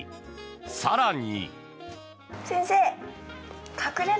更に。